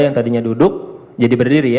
yang tadinya duduk jadi berdiri ya